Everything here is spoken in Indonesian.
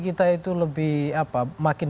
kita itu lebih apa makin